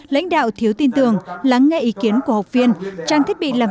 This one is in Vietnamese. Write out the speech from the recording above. lãnh đạo thiếu tin tưởng lắng nghe ý kiến của học viên